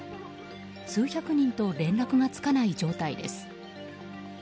数百人と連絡がつかない状態です。